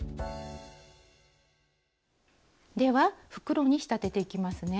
では袋に仕立てていきますね。